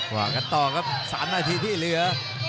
ว่ากันต่อครับ๓นาทีที่เหลือ